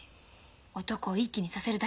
男をいい気にさせるだけ。